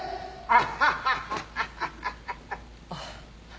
あっ。